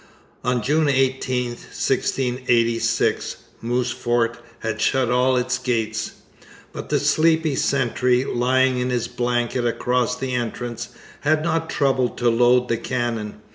On June 18, 1686, Moose Fort had shut all its gates; but the sleepy sentry, lying in his blanket across the entrance, had not troubled to load the cannon.